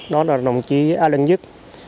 đó là đồng chí alan nhất